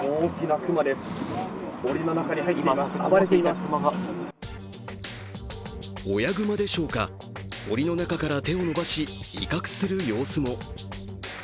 すると親熊でしょうか、おりの中から手を伸ばし威嚇する様子も。